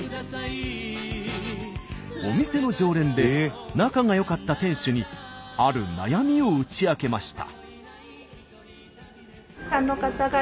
お店の常連で仲がよかった店主にある悩みを打ち明けました。